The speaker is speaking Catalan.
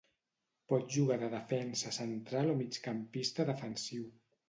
Pot jugar de defensa central o migcampista defensiu.